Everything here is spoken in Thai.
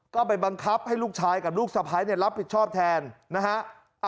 ก็ไปบังคับให้ลูกชายกับลูกสะพ้ายรับผิดชอบแทนนะฮะ